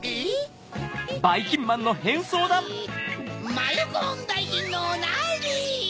マヨコーンだいじんのおなり！